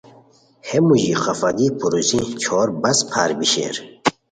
ہے موژی خفاگی پوروزی چھور بس پھار بی شیر